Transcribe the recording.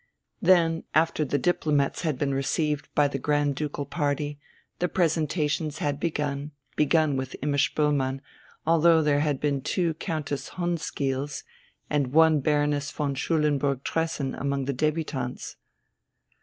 Then, after the diplomats had been received by the Grand Ducal party, the presentations had begun begun with Imma Spoelmann, although there had been two Countess Hundskeels and one Baroness von Schulenburg Tressen among the débutantes.